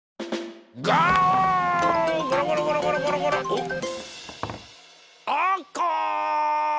おっあか！